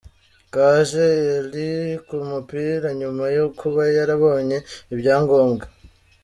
Kaje Elie ku mupira nyuma yo kuba yarabonye ibyangombwa .